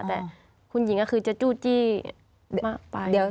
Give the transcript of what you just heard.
แต่คุณหญิงก็คือจะจู้จี้มากไป